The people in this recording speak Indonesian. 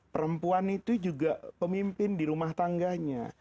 perempuan itu juga pemimpin di rumah tangganya